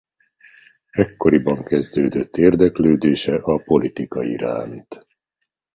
Ekkoriban kezdődött érdeklődése a politika iránt.